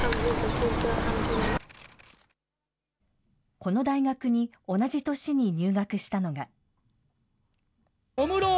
この大学に同じ年に入学したのが。